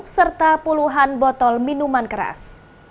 serta puluhan botol minuman keras